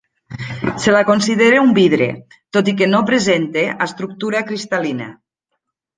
Se la considera un vidre, tot i que no presenta estructura cristal·lina.